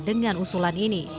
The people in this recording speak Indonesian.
dengan usulan ini